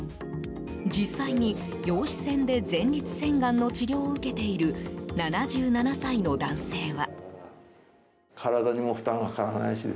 実際に、陽子線で前立腺がんの治療を受けている７７歳の男性は。